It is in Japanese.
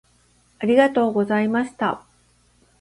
ありがとうございました。